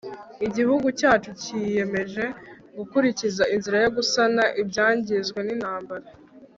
igihugu cyacu kiyemeje gukurikiza inzira yo gusana ibyangijwe n'intambara